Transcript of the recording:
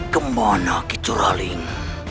kemana gitu raling